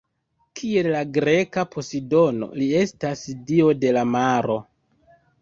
Kiel la greka Pozidono, li estas dio de la maro.